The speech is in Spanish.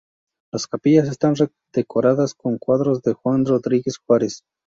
Las capillas están decoradas con cuadros de Juan Rodríguez Juárez.